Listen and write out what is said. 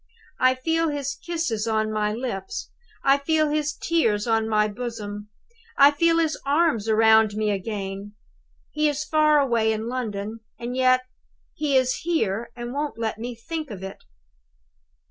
I feel his kisses on my lips; I feel his tears on my bosom; I feel his arms round me again. He is far away in London; and yet, he is here and won't let me think of it!